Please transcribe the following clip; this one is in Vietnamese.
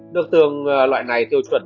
nước tương loại này tiêu chuẩn